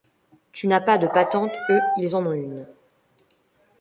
Tu n’as pas de patente, eux ils en ont une.